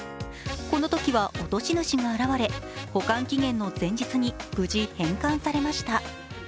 このときは落とし主が現れ、保管期限の前日に無事、返還されました。